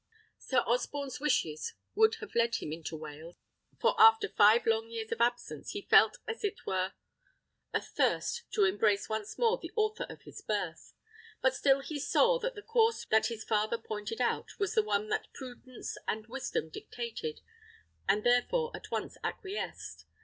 Sir Osborne's wishes would have led him into Wales, for after five long years of absence, he felt as it were a thirst to embrace once more the author of his birth; but still he saw that the course which his father pointed out was the one that prudence and wisdom dictated, and therefore at once acquiesced.